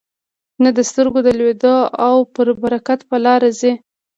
نه د سترګو د لیدلو او پر برکت په لاره ځي.